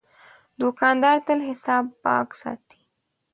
دوکاندار تل حساب پاک ساتي.